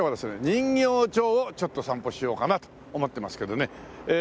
人形町をちょっと散歩しようかなと思ってますけどね。